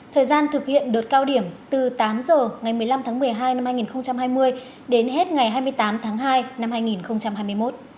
thời gian thực hiện đợt cao điểm từ tám giờ ngày một mươi năm tháng một mươi hai năm hai nghìn hai mươi đến hết ngày hai mươi tám tháng hai năm hai nghìn hai mươi một